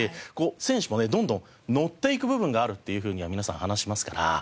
選手もねどんどんのっていく部分があるっていうふうには皆さん話しますから。